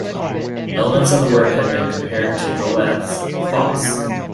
Elements of the work have been compared to Goethe's "Faust".